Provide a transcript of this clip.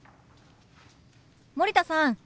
森田さん